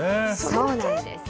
そうなんです。